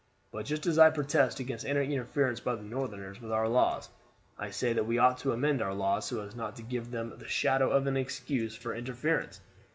But just as I protest against any interference by the Northerners with our laws, I say that we ought to amend our laws so as not to give them the shadow of an excuse for interference.